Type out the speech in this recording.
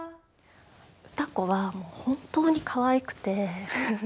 歌子はもう本当にかわいくて。